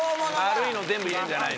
丸いの全部入れんじゃない。